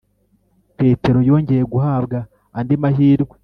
” petero yongeye guhabwa andi mahirwe